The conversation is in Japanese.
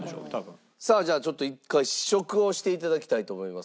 さあじゃあちょっと１回試食をしていただきたいと思います。